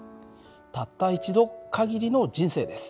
たった一度限りの人生です。